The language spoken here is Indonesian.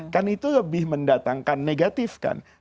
kan itu lebih mendatangkan negatif kan